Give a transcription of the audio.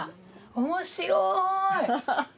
おもしろい！